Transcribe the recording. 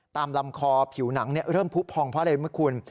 ตามลำคอผิวหนังเริ่มผู้พองเพราะอะไรไหมคุณ